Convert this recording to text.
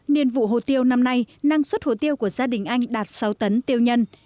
nhiên vụ hồ tiêu năm nay năng suất hồ tiêu của gia đình anh đạt sáu tấn tiêu nhân